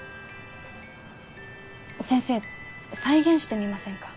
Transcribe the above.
先生再現してみませんか？